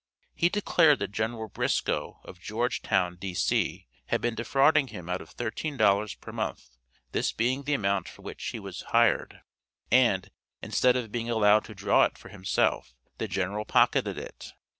He declared that General Briscoe, of Georgetown, D.C., had been defrauding him out of thirteen dollars per month, this being the amount for which he was hired, and, instead of being allowed to draw it for himself, the general pocketed it.